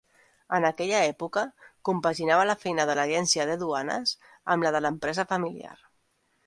En aquella època, compaginava la feina de l’agència de duanes amb la de l’empresa familiar.